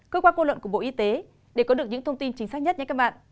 cơ quan cô luận của bộ y tế để có được những thông tin chính xác nhất các bạn